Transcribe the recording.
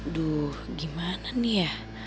aduh gimana nih ya